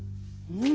うん。